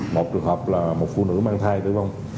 một trường hợp là một phụ nữ mang thai tử vong